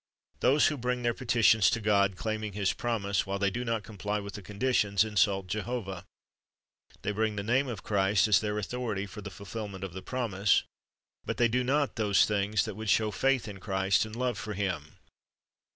"^ Those who bring their petitions to God, claiming His promise while they do not comply with the conditions, insult Jehovah. They bring the name of Christ as their authority for the fulfilment of the promise, but they do not those things that would show faith in Christ and love for Him.